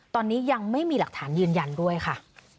ตอนนี้ยังไม่มีหลักฐานยืนยันด้วยค่ะ